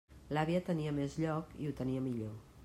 L'àvia tenia més lloc i ho tenia millor.